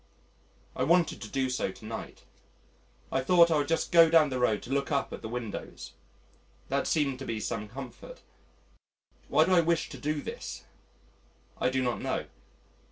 I wanted to do so to night. I thought I would just go down the road to look up at the windows. That seemed to be some comfort. Why do I wish to do this? I do not know.